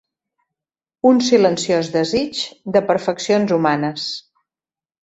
Un silenciós desig de perfeccions humanes